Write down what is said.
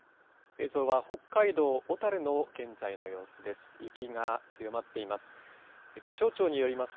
映像は北海道小樽の現在の様子です。